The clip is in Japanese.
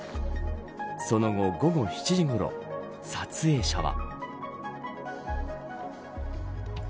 その後、午後７時ごろ撮影者は。